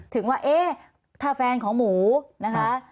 ถึงว่าเอ๊ะถ้าแฟนของหมูนะคะ